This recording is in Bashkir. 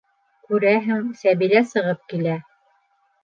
Күрәһең, Сәбилә сығып килә.